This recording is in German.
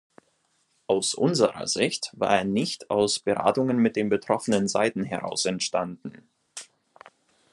Aus unserer Sicht war er nicht aus Beratungen mit den betroffenen Seiten heraus entstanden.